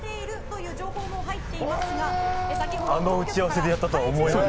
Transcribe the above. あの打ち合わせでやったとは思えない。